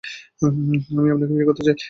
আমি আপনাকে বিয়ে করতে চাই।